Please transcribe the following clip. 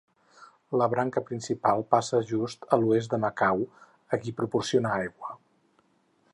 La branca principal passa just a l'oest de Macau a qui proporciona aigua.